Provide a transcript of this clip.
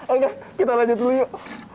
oke kita lanjut dulu yuk